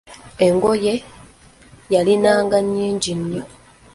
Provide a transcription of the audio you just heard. Engoye yalinanga nnyingi nnyo.